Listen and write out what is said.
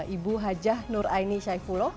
ibu hajah nuraini syaifulloh